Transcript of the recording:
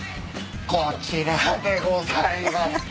こちらでございます。